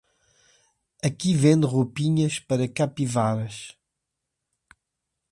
Aqui vende roupinhas para capivaras?